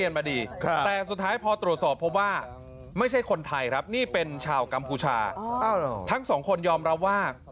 อย่าท้ามันนิสสุภิกษ์อย่าท้า